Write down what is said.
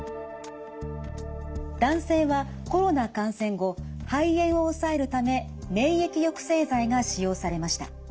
男性はコロナ感染後肺炎を抑えるため免疫抑制剤が使用されました。